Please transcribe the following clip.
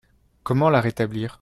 Comment la rétablir?